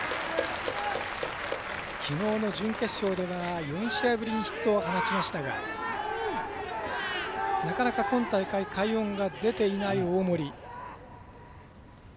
きのうの準決勝では４試合ぶりにヒットを放ちましたがなかなか今大会快音が出ていない、大森。